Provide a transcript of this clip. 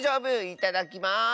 いただきます！